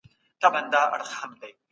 د مغولو په اړه ډېر کتابونه لیکل سوي دي.